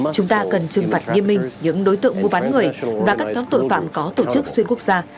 chúng ta cần trừng phạt nghiêm minh những đối tượng mua bán người và các nhóm tội phạm có tổ chức xuyên quốc gia